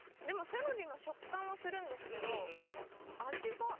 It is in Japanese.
でもセロリの食感はするんですけど味が。